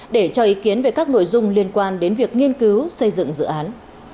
để cho ý kiến về các nội dung liên quan đến việc nghiên cứu xây dựng dự án